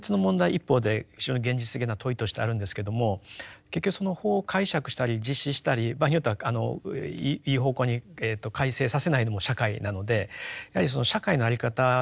一方で非常に現実的な問いとしてあるんですけども結局その法を解釈したり実施したり場合によってはいい方向に改正させないのも社会なのでやはりその社会の在り方もですね